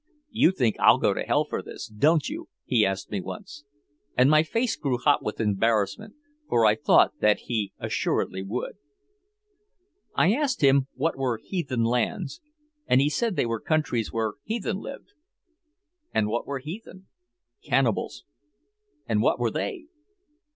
"You think I'll go to hell for this, don't you," he asked me once. And my face grew hot with embarrassment, for I thought that he assuredly would. I asked him what were heathen lands, and he said they were countries where heathen lived. And what were heathen? Cannibals. And what were they?